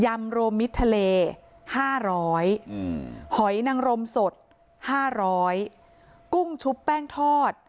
ยำโรมมิดทะเลห้าร้อยอืมหอยนังรมสดห้าร้อยกุ้งชุบแป้งทอด